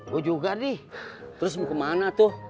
gue juga di terus mau ke mana tuh